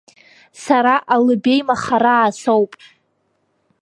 Сара Алыбеи Махараа соуп.